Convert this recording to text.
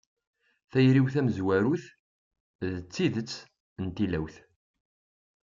Tayri-w tamezwarut n tidet d tilawt.